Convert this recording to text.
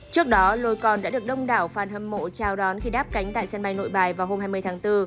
trước đó lôi con đã được đông đảo phan hâm mộ chào đón khi đáp cánh tại sân bay nội bài vào hôm hai mươi tháng bốn